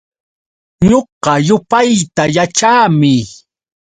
Ñuqa yupayta yaćhaami.